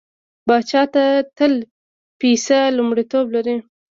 پاچا ته تل پيسه لومړيتوب لري.